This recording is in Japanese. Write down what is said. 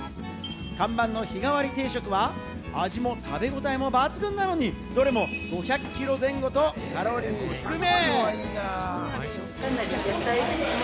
看板の日替わり定食は味も食べごたえも抜群なのに、どれも５００キロカロリー前後と、カロリーも控えめ。